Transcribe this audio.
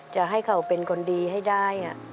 จะให้เขาเป็นคนดีให้ได้